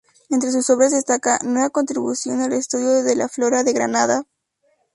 Entre sus obras destaca 'Nueva contribución al estudio de la flora de Granada'.